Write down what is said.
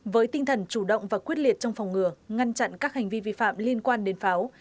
với tinh thần chủ động và quyết liệt trong phòng ngừa ngăn chặn các hành vi vi phạm liên quan đến pháo